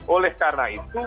oleh karena itu